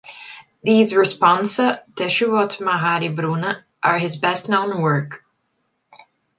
These "responsa", "Teshuvot Mahari Bruna", are his best known work.